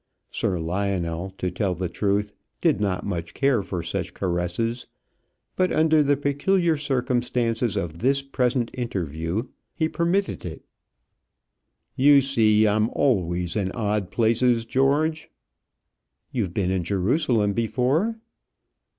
Sir Lionel, to tell the truth, did not much care for such caresses, but under the peculiar circumstances of this present interview he permitted it. "You see, I'm always in odd places, George." "You've been in Jerusalem before?"